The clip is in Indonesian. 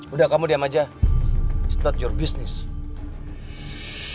udah kamu diam aja start jour business